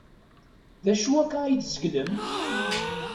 D acu akka ay tzeglem?